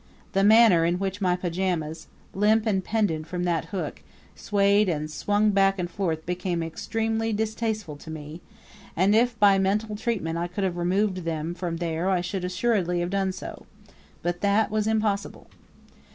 The manner in which my pajamas, limp and pendent from that hook, swayed and swung back and forth became extremely distasteful to me; and if by mental treatment I could have removed them from there I should assuredly have done so. But that was impossible.